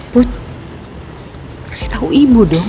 bud kasih tau ibu dong